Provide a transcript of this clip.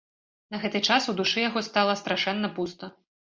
На гэты час у душы яго стала страшэнна пуста.